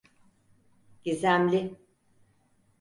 Gizemli.